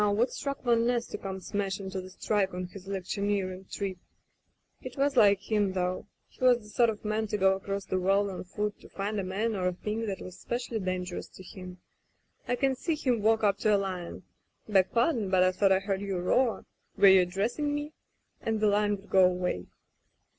... "Now, what struck Van Ness to come smash into the strike on his electioneering trip ? It was like him, though. He was the sort of man to go across the world on foot to find a man or a thing that was specially dangerous to him. I can see him walk up to a lion — *Beg pardon, but I thought I heard you roar. Were you addressing me?* — ^and the lion would go away.